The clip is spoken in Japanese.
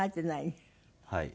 はい。